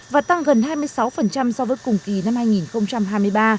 và tăng gần hai mươi sáu so với cùng kỳ năm hai nghìn hai mươi ba